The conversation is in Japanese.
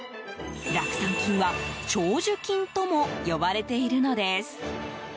酪酸菌は長寿菌とも呼ばれているのです。